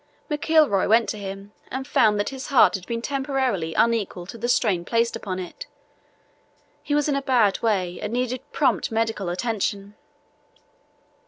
McIlroy went to him and found that his heart had been temporarily unequal to the strain placed upon it. He was in a bad way and needed prompt medical attention.